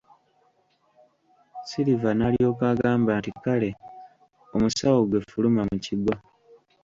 Silver n'alyoka agamba nti Kale, Omusawo, ggwe fuluma mu kigo.